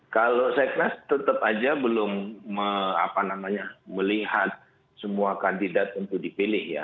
kalau seknas tetap aja belum melihat semua kandidat untuk dipilih ya